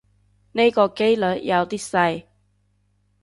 呢個機率有啲細